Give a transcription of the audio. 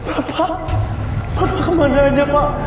bapak bapak kemana aja pak